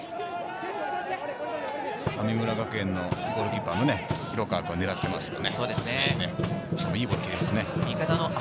神村学園のゴールキーパーもね、広川君、狙ってますよね。